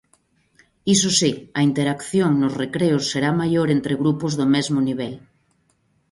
Iso si, a interacción nos recreos será maior entre grupos do mesmo nivel.